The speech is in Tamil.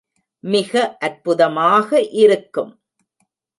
மிக அற்புதமாக இருக்கும்.